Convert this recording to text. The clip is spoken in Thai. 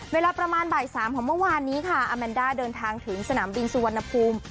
เวลาประมาณบ่าย๓ของเมื่อวานนี้ค่ะอาแมนด้าเดินทางถึงสนามบินสุวรรณภูมิ